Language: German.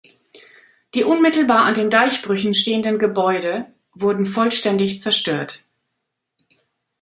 Die unmittelbar an den Deichbrüchen stehenden Gebäude wurden vollständig zerstört.